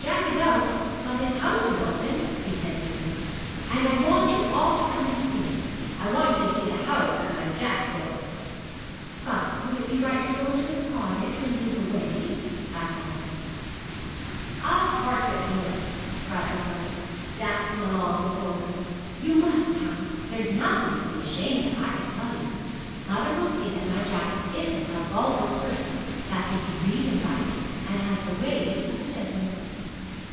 'Jack is out, but his house is open,' he said, eagerly, 'and I want you all to come and see it. I want you to see the house that my Jack built.' 'But would it be right to go into his cottage when he is away?' asked Ida. 'Of course it would,' cried her brother, dancing along before them. 'You must come there's nothing to be ashamed of, I can tell you. Mother will see that my Jack isn't a vulgar person, that he can read and write, and has the ways of a gentleman.'